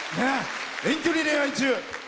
遠距離恋愛中。